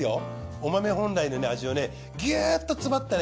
お豆本来の味をねギュッと詰まったね